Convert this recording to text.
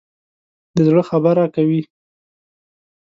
د زړه خبره کوي.